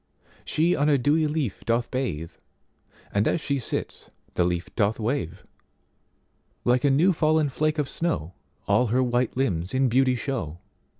She on a dewy leaf doth bathe, And as she sits the leaf doth wave:Like a new fallen flake of snowAll her white limbs in beauty show.